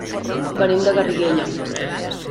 Venim de Garriguella.